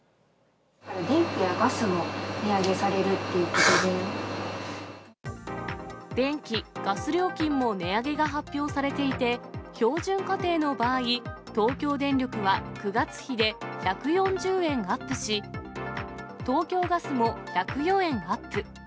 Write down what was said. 電気やガスも値上げされると電気、ガス料金も値上げが発表されていて、標準家庭の場合、東京電力は９月比で１４０円アップし、東京ガスも１０４円アップ。